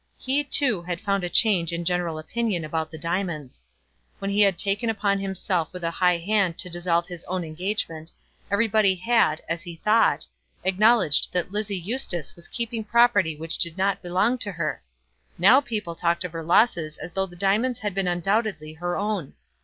He, too, had found a change in general opinion about the diamonds. When he had taken upon himself with a high hand to dissolve his own engagement, everybody had, as he thought, acknowledged that Lizzie Eustace was keeping property which did not belong to her. Now people talked of her losses as though the diamonds had been undoubtedly her own.